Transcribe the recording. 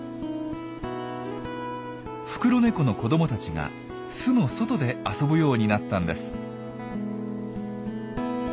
フクロネコの子どもたちが巣の外で遊ぶようになったんです。